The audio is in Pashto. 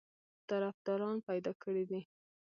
طرفداران پیدا کړي دي.